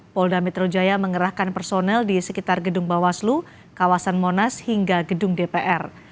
polda metro jaya mengerahkan personel di sekitar gedung bawaslu kawasan monas hingga gedung dpr